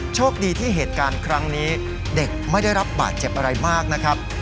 โชคดีที่เหตุการณ์ครั้งนี้เด็กไม่ได้รับบาดเจ็บอะไรมากนะครับ